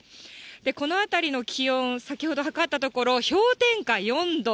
この辺りの気温、先ほどはかったところ、氷点下４度。